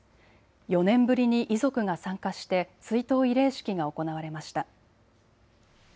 ４年ぶりに遺族が参加して追悼慰霊式が行われました。